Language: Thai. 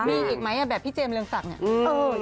มีอีกไหมแบบพี่เจมสเรืองศักดิ์เนี่ย